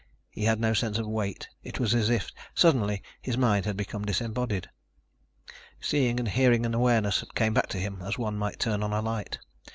He had no sense of weight. It was as if, suddenly, his mind had become disembodied. Seeing and hearing and awareness came back to him as one might turn on a light.